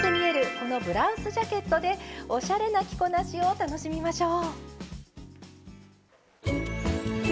このブラウスジャケットでおしゃれな着こなしを楽しみましょう。